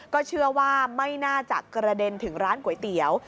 ก็เชื่อว่าไม่น่าจะกระเด็นถึงร้านก๋วยเตี๋ยว